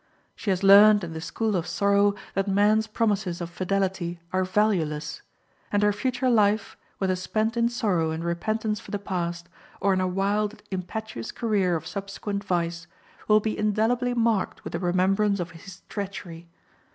She has learned in the school of sorrow that man's promises of fidelity are valueless; and her future life, whether spent in sorrow and repentance for the past, or in a wild, impetuous career of subsequent vice, will be indelibly marked with the remembrance of his treachery.